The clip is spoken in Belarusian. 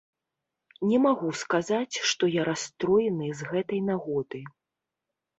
Не магу сказаць, што я расстроены з гэтай нагоды.